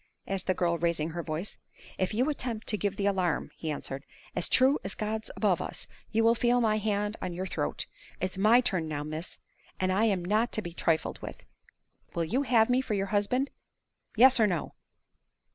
asked the girl, raising her voice. "If you attempt to give the alarm," he answered, "as true as God's above us, you will feel my hand on your throat! It's my turn now, miss; and I am not to be trifled with. Will you have me for your husband yes or no?"